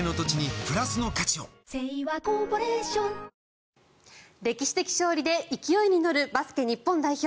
これまでに歴史的勝利で勢いに乗るバスケ日本代表。